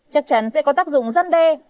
chắc chắn sẽ có tác dụng răn đe